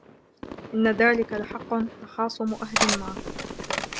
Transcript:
إِنَّ ذَلِكَ لَحَقٌّ تَخَاصُمُ أَهْلِ النَّارِ